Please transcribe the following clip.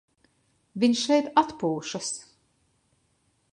Viņš šeit atpūšas.